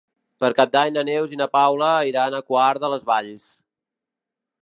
Per Cap d'Any na Neus i na Paula iran a Quart de les Valls.